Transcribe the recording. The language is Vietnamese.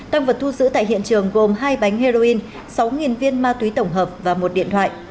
tăng vật thu giữ tại hiện trường gồm hai bánh heroin sáu viên ma túy tổng hợp và một điện thoại